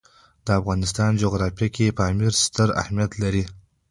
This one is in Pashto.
د افغانستان جغرافیه کې پامیر ستر اهمیت لري.